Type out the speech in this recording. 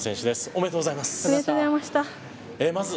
おめでとうございます。